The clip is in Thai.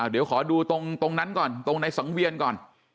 เดี๋ยวขอดูตรงนั้นก่อนตรงในสังเวียนก่อน